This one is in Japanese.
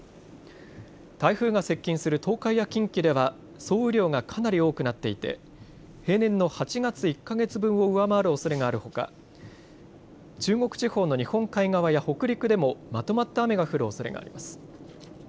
台風が接近する東海や近畿では総雨量がかなり多くなっていて平年の８月１か月分を上回るおそれがあるほか中国地方の日本海側や北陸でもまとまった雨が降るおそれがあります。